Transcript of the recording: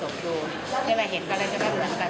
ที่สุดก็คือรอผมก่อนนะครับ